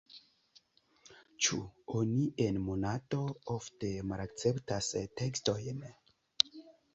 Ĉu oni en Monato ofte malakceptas tekstojn?